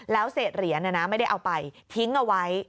แล้วเศษเหรียญไม่ได้เอาไปทิ้งเอาไว้